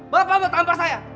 bapak mau tampar saya